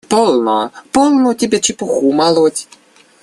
– Полно, полно тебе чепуху молоть!